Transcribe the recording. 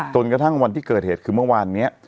จนกระทั่งวันที่เกิดเหตุคือเมื่อวานนี้